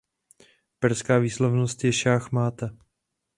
Perská výslovnost je "šáh máta".